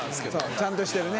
ちゃんとしてるね。